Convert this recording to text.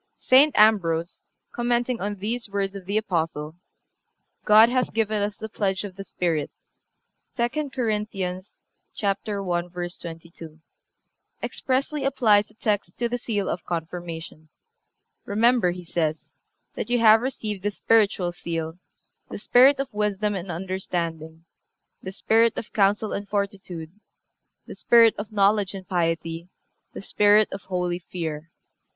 "(361) St. Ambrose, commenting on these words of the Apostle, "God ... hath given us the pledge of the Spirit," (II. Cor. i. 22) expressly applies the text to the seal of Confirmation. "Remember," he says, "that you have received the spiritual seal, the spirit of wisdom and understanding, the spirit of counsel and fortitude, the spirit of knowledge and piety, the spirit of holy fear.